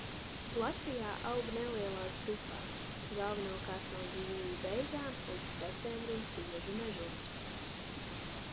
Latvijā aug nelielās grupās galvenokārt no jūlija beigām līdz septembrim priežu mežos.